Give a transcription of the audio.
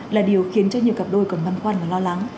là điều khiến cho nhiều cặp đôi còn băn khoăn và lo lắng